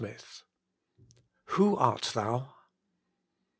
XXI WHO ART THOU?